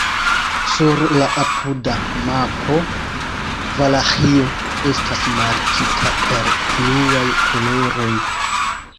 Sur la apuda mapo Valaĥio estas markita per bluaj koloroj.